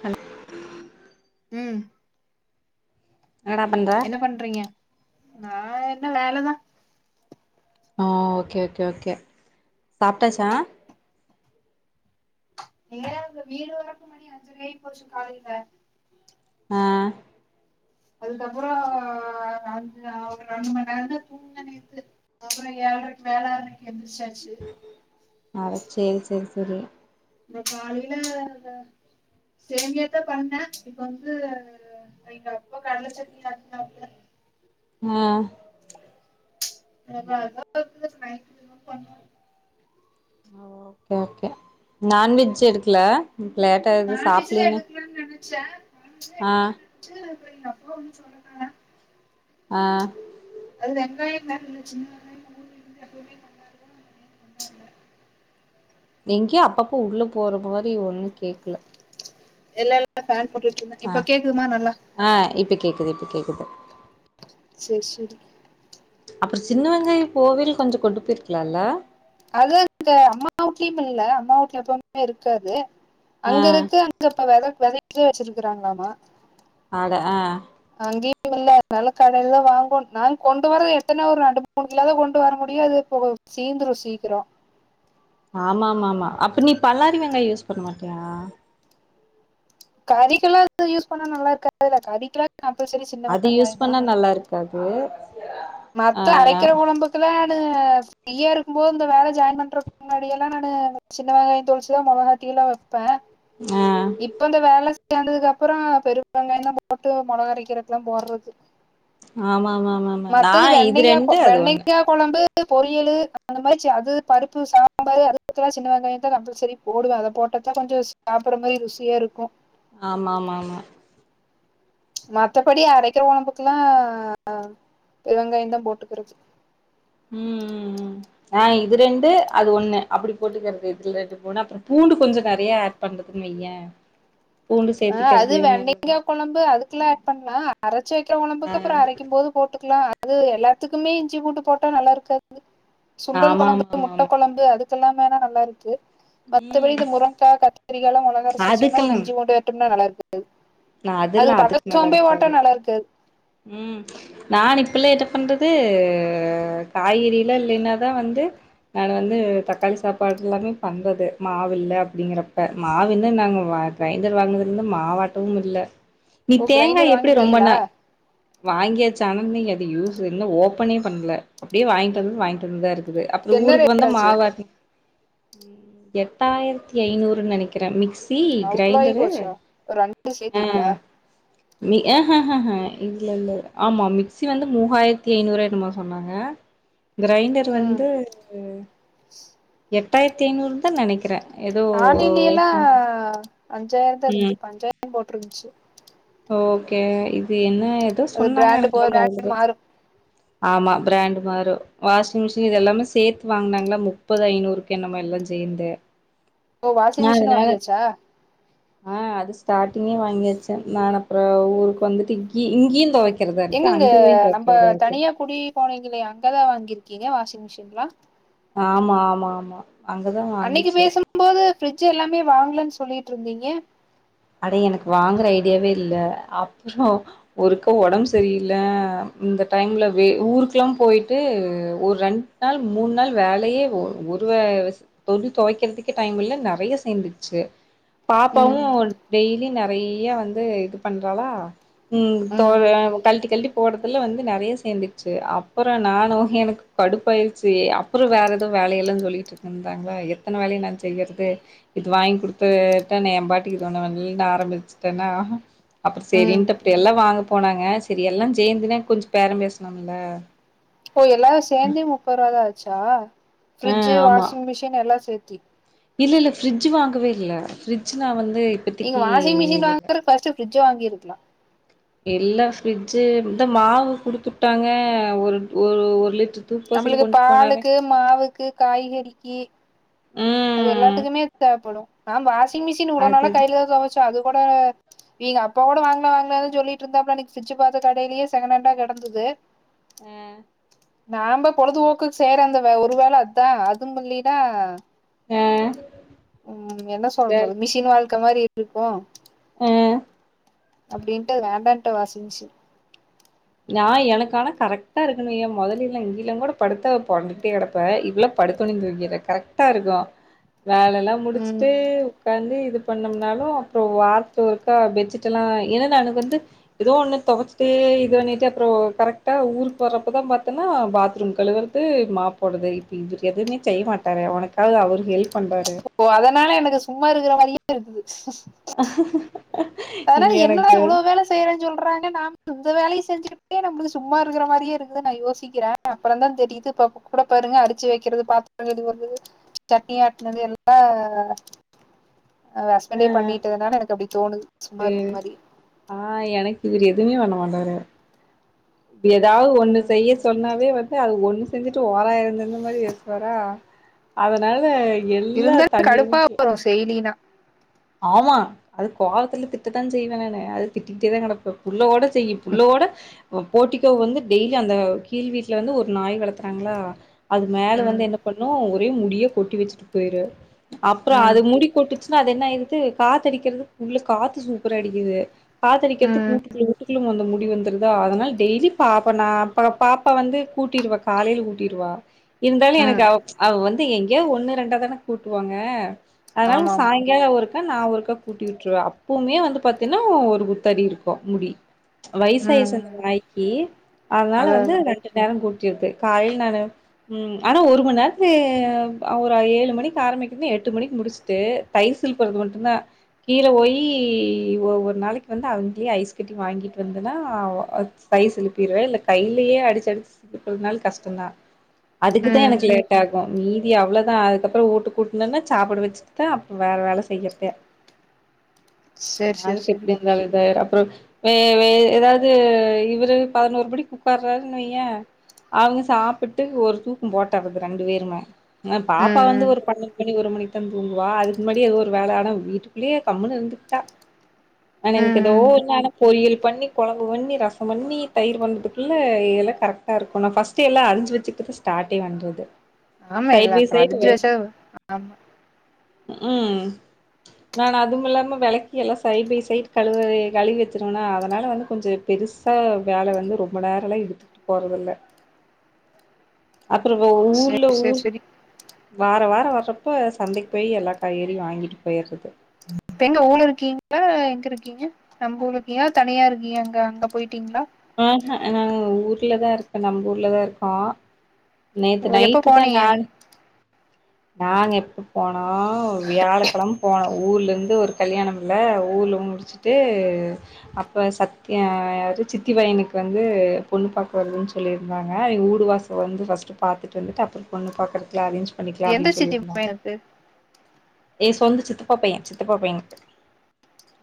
hello உம் என்னடா பண்ற என்ன பண்றீங்க நான் என்ன வேலைதான் ஹ ஓகே ஓகே ஓகே சாப்பிட்டாச்சா எங்க அவங்க வீடு வரக்கும் மன்ன அஞ்சு ரூபகி போச்சு காலையில ஆ அதுக்கப்புறம் அ்ச ஒரு ரெண்டு மணி நேரம்தான் தூங்க நேத்து அப்புறம் ஏழுரைக்கு வேளாக்கு எந்திரச்சாச்சு அத சரி சரி சரி நா காலையில சேமியாத்தான் பண்ணேன் இப்ப வந்துங்க அப்ப கடலை சட்டா ஆஹ் அத அத பண்ண ஓகே ஓகே நான்வெஜ் எடுக்கல லேட்டா எது நான்வெஜ்ஜும் சாப்லின்னு எடுக்கலாம்னு நினைச்சேன் நான்வஜஜும் ஆ எக்கலனு நினைச்சு அ அப்பா ஒன்னும் சொல்லறங்கள ஆ அது எங்க நா சின்ன வெங்காய எப்பவுமே [unintelligible] கொண்டாடுவோ கொண்டாடல எங்யோ அப்பப்போ உள்ள போற மாரி ஒண்ணு கேக்கல [unintelligible] இருந்தே அ இப்ப கேக்குதுமா நல்லா ஆ இப்ப கேக்குது இப்ப கேக்கு [inaudible] செரி செரி அப்புற சின்ன வெங்காய போவில் கொஞ்ச கொண்டு போய்ருக்கலா இல்ல அது அங்க அம்மா வுட்லயு இல்ல அம்மா வுட்ல எப்பவுமே இருக்காது ஆ அங்க இருக்கு அங்க அப்பதத வச்சிருக்கிறாங்களாமா அட ஆ [unintelligible] கடையில தா வாங்கோன் நா கொண்டு வர்றது எடுத்துனு ஒரு ரெண்டு மூணு கிலோ தா கொண்டு வர முடியு அது சீந்துரு சீ கிறோ ஆமா ஆமா ஆமா அப்ப நீ பல்லாரி வெங்காய யூஸ் பண்ண மாட்டியா கறிக்கெல்லா அது யூஸ் பண்ண நல்லா இருக்காதுல்ல கறிக்கலா அது யூஸ் பண்ணா நல்லா இருக்காது மத்த அரைக்கிற ஆ உடம்புக்குலாஇிி ந ஃபிரீயா இருக்கு போது இந்த வேல ஜாயின் பண்றக்கு முன்னாடியெல்லா நானு சின்ன வெங்காய தோலுரிச்சிதா மிளகாத்தி எல்லா ப்ப ஆ இப்ப இந்த வேல வந்ததுக் அப்புற பெரு வெங்காய தா போட்டு மொளக அரைக்கிறது எல்லா போறது ஆமா ஆமா ஆமா ஆமா நா மத்தது இது வெண்டைங்கா ரெண்டு அது ஒண்ணு வெண்டைங்கா கொழம்பு பொரியலு அந்த மாரி அது பருப்பு சாம்பார் அது [unintelligible] சின்ன வெங்காய தா கம்பல்சரி போடுவே அத போட்டதா கொஞ்சோ சாப்பிற மாரி ருசியா இருக்கு ஆமா ஆமா ஆமா மத்தபடி அரைக்கிற உடம்புக்குல்லா பெரிய வெங்காய தா போட்டுக்கிருச்சசி ம் ஆ இது ரெண்டு அது ஒண்ணு அப்படி போட்டுக்கறது இதுல ரெண்டு போனா அப்புற பூண்டு கொஞ்சோ நெறைய ஆட் பண்றதுன் வையே பூண்டு ஆ அது சேத்திக்கிறது நல்லது வெண்டைங்கா கொழம்பு அதுக்குல்லா ஆட் பண்ணலா அர சேக்கிற உணம்புக்கு அப்புற அரைக்கு போது போட்டுக்கலா அது எல்லாத்துக்குமே இஞ்சி பட்டு போட்டா நல்லா இருக்காது ஆ சுண்டல் ஆமா ஆமா கொழம்பு ஆமா முட்ட ஆமா கொழம்பு அதுக் இ எல்லாமே ணா நல்லா இருக்கு மத்தபடி ம் இந்த முரங்காக்கா கத்திரிக்க எல்லா மெளகா அரச்சி வச்சம்னா அது அதுக்கெல்லா இஞ்சி பூண்டு நல்லாருக்கு நா அதெல்லா அதுக் பட்ட அதுக்கு நல்லா சோம்பே இருக்காது ஓட்டனு நல்லா இருக்குது ம் நா இப்பெல்லா என்ன பண்றது காய்கறிலா இல்லைனாதா வந்து நா வந்து தக்காளி சாப்பாடு எல்லாமே பண்றது மாவு இல்ல அப்படிங்கறப்ப மாவுன்னு நாங்க கிரைண்டர் வாங்குதுல இருந்து மாவாட்டமு இல்ல நீ ஓ தேங்கா கிரைண்டர் எப்படி ரொம்ப வாங்கிட்டீங்களா நா வாங்கியாச்சு ஆனா இன்னோ எத யூஸ் இன்னோ ஓபனே பண்ல அப்படியே வாங்கிட்டு வந்தது வாங்கிட்டு வந்ததா இருக்கு இது அப்புறோ என்ன ஊருக்கு ரேட் வந்தா ஆச்சு மாவாட்டி ம் எட்டாயிரத்தி ஐநூறுனு நெனைக்குற மிக்ஸ் மிக்ஸி அவ்ளோ ஆயி கிரைண்டரு போச்சா ஒரு ரெண்டு ஆ சேத்தியா மி ஏ ஹஹ ஹ இல்ல இல்ல ஆமா மிக்சி வந்து மூவாயிரத்தி ஐனூறு என்னமோ சொன்னாங்க கிரைண்டர் ம் வந்து எட் எட்டாயிரத்து நூறுனு தா நெனக்குற ஆன்லைன்யிலா அஞ்சாயிரம் தா இருந்து ம் அஞ்சாயிரம் போட்டிருந்துச்சு ஓகே இது என்ன ஏதோ அது சொன்னாங்க பிராண்டு எனக்கு போக கே பிராண்டு மறந்துப்போச்சு மாறும் ஆமா பிராண்டு வரோ வாஷிங் மிஷின் இது எல்லாமே சேத்து வாங்கினாங்களா முப்பது ஐநூறுக்கு என்னமோ எல்லாமே சேய்ந்து ஓ வாஷிங் மிஷின் வாங்கியாச்சா ஆ அது ஸ்டார்ட்டிங்கே வாங்காச்சே நா அப்புறோ ஊருக்கு வந்துட்டு இங்கி இங்கியும் தொவைக் எங்கங்க நம்ம தனியா குடி போனீ ங்கள அங்கதா வாங்கியிருக்கீங்க வாஷிங் மிஷின்லா ஆமா ஆமா ஆமா அங்கதா அன்னிக்கு வாங்குச்சு பேசும்போது பிரஃரிட்ஜ் எல்லாமே வாங்கலன்னு சொல் சொல்லிட்டு இருந்தீங்க அடே எனக்கு வாங்குற ஐடியாவே இல்ல அப்புறோ ஒருக்க ஒடம்பு சரியில்ல இந்த டைம்ல வே ஊருக்குெல்லா போயிட்டு ஒரு ரெண்டு நாள் மூணு நாள் வேலயே ஒரு வே துணி தொவைக்கிறதுக்கு டைம்ல நறைய சேந்துச்சு பாப்பாவோ ம் துணி நறைய வந்து இது பண்றாளா ம் தோ கலட்டி கலட்டி போடுறதுல வந்து நறைய சேந்துருச்சு அப்புறோ நானோ எனக்கு கடுப்பாயிடுச்சு அப்புறோ வேற எதவு வேலையெல்லா சொல்லிட்டு இருக்குன்னந்தாங்களா எத்தன வேலய நா செய்யறது இது வாங்கி குடுத்துட்டா ஏ பாட்டுக்கு இருப் சொன்னவன்டீயே ஆரம்பிச்சுட்டேன்னா அப்புறோ ம் செரின்ட்டு அப்டி எல்லா வாங்க போனாங்க செரி எல்லா சேந்துனா கொஞ்சோ பேரம் பேசுனும்ல ப்ப எல்லாரும் சேர்ந்தே முப்பதுருவாதா ஆச் ஆச்சா ஆ ஃபிரிட்ஜு ஆமா வாஷிங் மிஷின் எல்லா சேத் டி இல்ல இல்ல ஃப்ரிட்ஜு வாங்கவே இல்ல ஃப்ரிட்ஜு நா வந்து நீங்க இப்பத்திக்கு வாஷிங் மிஷின் இது இல்ல வாங்கறது பஸ்ட்டு பிரிட்ஜு வாங்கியிருக் கிலா எல்லா ஃப்ரிட்ஜு இந்த மாவு குடுத்துபுட்டாங்க ஒரு ஒரு லிட் நம்மளுக்கு பாலுக்கு மாவுக்கு காய்கறி கி அது ம் எல்லாத்துக்குமே தேவைப்படும் ஆ வா மிஷின் அது உன அது கையில துவச்ச அது கூட ங்க அப்ப கூட வாங்கலாம் வாங்கு சொல்லிட்டு இருந்தா அப்ப இன்னைக்கு சிு பார்த்த கடையிலயே செகண்ட் ஹண்டா கிடந்தது உஹ் நாம பொழுதுபோக்குக்கு சேற அந்த ஒரு வேளை அதான் அது பல்லடா ஆ உம் என்ன இதா சொல்றது இருக்கு மிஷின் வாழ்க்கை மாதிரி இரு இருப்பா ஆ அப்படின்ட்டு வேண்டான்ட்டு வாசிச்சு நான் எனக்கு ஆானா கரெக்ட்டா இருக்கணு ஏயன் முதல்லல்லாம் இங்கிலும் கூட படுத்த போறிட்டே கிடப்ப இவ்வளவு படுடுத்தணேனு தூங்கற கரெக்ட்டா இருக்கும் வேலை எல்லாம் ம் முடிச்சுட்டு உட்காந்து இது பண்ணம்னாலும் அப்புறம் வாக்கா பெட்ீட் எல்லாம்க்கு வந்து ஏதோ ஒண்ணு தச்சே இதுண்ணி அறம் கரெக்டா ஊருக்கு வர்றப்பதான்ன்னா பாத்ரூம் கழுுவறது மாப்படுது இ இ எதுவுமே செய்ய மாட்ட உனக்காவ அவ ஹெல்ப் பண்றாரு அதனால எனக்கு சும்மா இருக்கிற மாதிரிய சரி [unintelligible] அதனால இங்க எனக்கு என்னதான் அவ்வளவு வேலை செய்யறேன்னு சொல்ல றாங்க நாம இந்த வேலையை செஞ்சுக்கே நம்மளுக்கு சும்மா இருக்கிற மாதிரியே இருக்குதுன்னு நான் யோசிக்கிறேன் அப்புறம தான் தெரியுது இப்ப கூட பாருங்க அரிச்சு வைக்கிறது பாத்திரம்து வருது சட்னி ஆட்டினது எல்லாம் ஹ ஹஸ்பண்டே பண்ணிட்டேதுனானே எனக்கு அப்படி தோணு ச ஆஹ் எனக்கு வி எதுன வேண வல்லற ஏதாவது ஒண்ணு ம் செய்ய சொன்னாவே வந்து அது ஒண்ணு செஞ்சுட்டு ஓராய இருந்தந்த மாதிரி பேசுவாரா அதனால எல்லா இருந்தாலும் தண்ணி கடுப்பா ஊத்தி வரும் செயலினா ஆமா அது கோலத்துல திட்டட்டுதான் செய்வேன் நான அது திட்டிட்டே தான் கிடப்பேன் புள்ள கூட செய்ய ோட போட்டிக்க வந்து டெய்லி அந்த கீழ் வீட்டுல வந்து ஒரு நாய் வளர்த்துறாங்களா அது மேல ம் வந்து என்ன பண்ணும் முடிய கொட்டி வச்சுட்டு போயிரு அப்புறம் அது ம் முடிொட்டுச்சுன்னா என்ன காத்த அடிக்கிறது உள்ள காத்து சூப்பரா அடிக்குது ம் காதரிக்கிறதுக்கு வீட்டுக்குள்ள வீட்டுக்குள்ளும் வந்த முடி வந்துரு த அதனால் டெய்லி பாப்ப நா அப்பற பாப்பா வந்து கூட்டிருவா காலைல ஊட்டிருவா இருந்தாலு எனக்கு ம் அவ அவ் வந் து எங்யோ ஒன்னு ரெண்டாதான கூட்டுவாங்க அதனால ஆமா ஆமா சாய்ங்கால ஒர்க் நா ஒருக்கா கூட்டி விட்ருவே அப்போமே வந்து பாத்தீனா ஒரு குத்தடி இருக்கு முடி ம் வய்சாய்ருச்சு அந்த ம் நாய்க்கி அதனால அதா வந்து அதா ரெண்டு நேர கூட் டிருப்பே காலைல் நானு உம் ஆனா ஒரு மண் நேரத்து அ ஒரு ஏழு மணிக்கு ஆரம்மிக்து எட்டு மணிக்கு முடிச்ட்டு தைசில் ஒரு இது மட்டுந்தா கீழ வோயி ஒவ்வொர் நாளைக்கு வந்து அங்கே ஐஸ் கட்டி வாங்கிட்டு வந்தனா அ தைசிழுப்பிருவே இல்ல கைலயே அடிச்சு அடிச்சு சிழுப்புனாலு கஷ்டந்தா அதுக்குதா ம் எனக்கு லேட் ஆகு மீதி அவ்ளதா அதுக்கப்ற வூட்டு கூட்னனா சாப்பாடு வச்சுட்தா அப்ற வேற வேல செ செய்யற்தே சேரி சேரி நாலுக்கு சேரி எப்டி இருந்தாலு இதேறப் அப்ற வே வே எதாவ்து இவரு பதுனோர் பிடிக் உக்கார்றாருன் வய்யே அவ்ங்க சாப்பிட்டு ஒரு தூக்க போட்டறது ரெண்டு வேருமா ஆஹ் பாப்பா ம் வந்து ம் ஒரு பன்னண்டு மணி ஒரு மணிக்கு தா தூங்குவா அதுக்கு முன்னாடியே எதோ வேல ஆனா வீட்டுக்குள்ளே கம்முனு இருந்துகிட்டா ஆனா எனக்கு ம் எதோ ம் ஒரு நானப் பொரியல் பண்ணி கொழம்பு பண்ணி ரசம் பண்ணி தயிரு பண்றதுக்குள்ள எல்லா கரெக்டா இருக்கு நா ஃபஸ்ட்டு எல்லா அறிஞ்சு வச்சுக்கிட்டு தா ஸ்டார்டே பண்றது ஆமா சைட் எல்லா பை கா அறிஞ்சு வச்சா ஆமா உம் நான் அதும் இல்லாம வெலக்கி எல்லா சைட் பை சைட் கழுவவே கழுவி வச்சுருவனா அதனால வந்து கொஞ்ச பெருசா வேல வந்து ரொம்ப நேரலா இழுத்துக்கிட்டு போறதில்ல அப்ற ஒங்க சேரி ஊர்ல சேரி ஊர் சேரி வார வார் ஆ வர்றப்ப சந்தைக்கு போய் எல்லா காய்கறியு வாங்கிட்டு போய்றது இப்ப எங்க ஊர்ல இருக்கீங்ளா எங்க இருக்கீங்க நம்ப ஊர்ல இருக்கியா தனியா இருக்கியா அங்க அங்க போயிட்டீங்ளா ஆஹ்ஹ நா ஊர்லதா இருக்க நம்ப ஊர்லதா இருக்கோ நேத்து ஓ, எப்ப நைட்டுத்தா போனீங்க நானு நாங்க எப்ப போ நா வியாழக்கெழம போன ஊர்ல இருந் து ஒரு கல்யாணமுல்ல ஊர்ல முடிச்சிட்டு அப்ப சத்யா யாரு சித் திவா‌ எனக்கு வந்து பொண்ணு பாக்க வருதுன் சொல்லிருந்தாங்க ஊடுவாச வந்து ஃபஸ்ட்டு பாத்துட்டு வந்துட்டு அப்ற பொண்ண பாக்குறக்லா அப்டின் சொல் எந்த சித்தி மயனுக்கு எ சொந்த சித்தப்பா பைய சித்தப்பா பையனுக்கு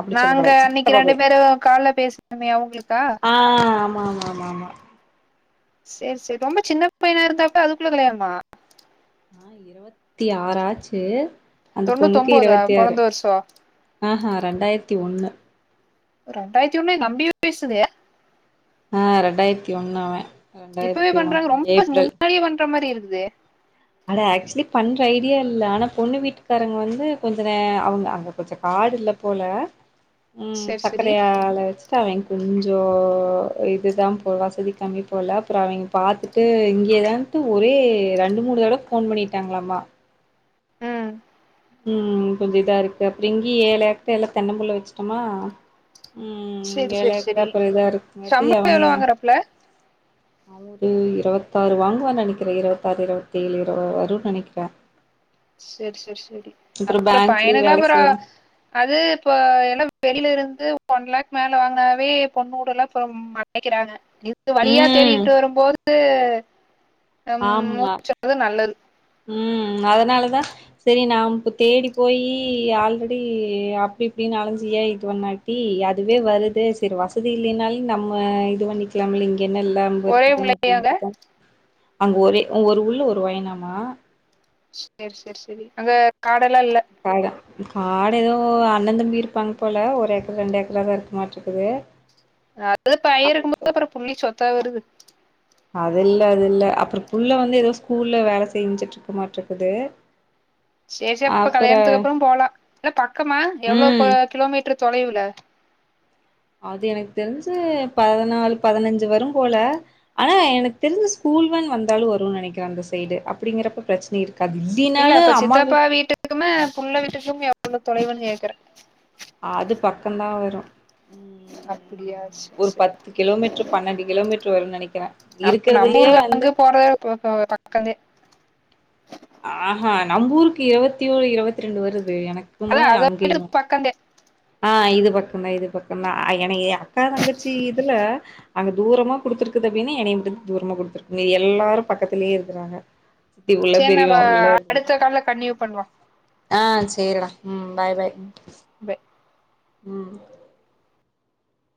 அப்டி நாங்க சொல்லக்கூடாது அன்னைக்கு சித்தப்பா ரெண்டு பைய பேரு கால்ல பேசுனமே அவ்ங்களுக்கா ஆ ஆமா ஆமா ஆமா சேர் சேர் ரொம்ப சின்ன பையனா இருந்தாப்ல அதுக்குள்ள கல்யாணமா ஆஹ் இருவத்தி ஆறாச்சு அந்த தொண்ணூத்தொம்போதா பெறந்த வர்ஷ ஆஹ்ஹ ரெண்டாயிரத்தி ஒன்னு ரெண்டாயிரத்தி ஒன்னு நம்பியு பேசுதே ஆஹ் ரெண்டாயிரத்தி ஒன்னு அவ இப்பவே ரெண்டாயிரத்தி பண்றாங்க ஒண்ணு ரொம்ப ஏப்ரல் முன்னாடியே பண் ண்ற மாரி இருக்குதே அட ஆக்சுலி பண்ற ஐடியா இல்ல ஆனா பொண்ணு வீட்டுக்காரங்க வந்து கொஞ்ச நே அவ்ங்க அங்க கொஞ்ச காடு இல்ல போல உம் செரி செரி சர்க்கரை ஆலை வச்சுட்டா அவங் கொஞ்ஞோ இதுதான் போல்ல வசதி கம்மி போல அப்புறோ அவிங்க பாத்துட்டு இங்கிதான்து ஒரே ரெண்டு மூணு தட போன் பண்ணிட்டாங்குளாமா ம் உம் கொஞ்சு இதா இருக்கு அப்பிடிங் இங்கி ஏழு ஏக்கட்ர எல்லா தென்ன புள்ள வெச்சுட்டோமா சேர் சேர் செரி சம்பளோ எவ்ளோ வாங்குறாபுல்ல அவன் ஒரு இருவத்தாறு வாங்குவான் நனைக்கிறே இருவத்தாறு இருவத்தி ஏழு இரு வரு நினைக்கிறே சேரி சேர் சேரி அப்புறோ பையனுங்குலா வேல புறோ செய்றா அது இப்ப எல்லா வெளியில இருந்து ஒன் லேக் மேல வாங்கினாவே பொண்ணுடலப் அப்புறோம் மடைக்கிறாங்க இது வழியா ம் தேடிட்டு வரும்போது [unintelligible] ஹம் ஆமா மூச்சுறது நல்லது ம் அதுனாலதா சேரி நாம் இப்ப தேடி போய் ஆல்ரெடி அப்பிடி இப்பிடின்னு அலஞ்சு ஏ இது பண்ணாட்டி அதுவே வருது சேர் வசதி இல்லைனால் நம்ம இது பண்ணிக்குலாம் இல்லிங் இங்க என்னு இல்லாம் ஒரே இருக்குது அப்பிடின் புள்ளையாங்க தான் அங்க ஒரே ஒரு உள்ள ஒரு வயினாமா சேர் சேர் சேரி அங்க கா [unintelligible] காட எதோ அண்ண தம்பி இருப்பாங்க போல ஒரு ஏக்கர் ரெண்டு ஏக்கரா தா இருக்கு மாட்டு இருக்குது அத பயர் இருக்கும் போது அப்புறோ புள்ளி சொத் த்தா வருது அது இல்ல அது இல்ல அப்புறோ புள்ள வந்து ஏதோ ஸ்கூல்ல வேல செஞ்சிட்டு இருக்கு மாட்டு இருக்குது சேர் சேர் இப்ப கல்யாணத்துக்கு அப்புறோ போலா இல்ல பக்கமா எவ்வுளோ கோ ம் கிலோமீட்ரு தொலைவுல்ல அது எனக்கு தெரிஞ்சு பதினாலு பதினஞ்சு வரும் போல ஆனா எனக் தெரிஞ்சு ஸ்கூல் வேன் வந்தாலு வரும்னு நனைக்கிறே அந்த சைடு அப்பிடிங்கறப்ப பிரச்சினை இரு இல்ல இப்ப சித்தப்பா வீட்டுக்குமே புள்ள வீட்டுக்கும் உள்ள தொலைவுன் கே்குறே அது பக்கந்தா வரு உம் ம் அப்டியா ம் சேர் ஒரு சேர் பத்து கிலோமீட்டரு பன்னெண்டு கிலோமீட்ரு வரு நனிக் அப்ப நம்ப ஊருக்கு அங்க போற [unintelligible] பக்கந்தே ஆஹ ஹா நம்பு ஊருக்கு இருவத்திஓர் இருபத்தி ரெண்டு வருது அதா எனக்கும்மு அத விட அங்கியும் பக்கந்தே ஹா இது பக்குனே இது பக்குன்னா [unintelligible] அக்கா தங்கச்சி இதுல அங்கு தூரமா குடுத்துருக்குது அப்டின்னா என்னை மட்டும் தூரமா குடுத்துருகிங்க எல்லாரும் பக்கத்திலயே இருக்குறாங்க சித் சேர் நா அவா அடுத்த கால்ல கண்னியூ பண்ணுவா ஆ சேரடா ம் பாயி பாய் பை உம்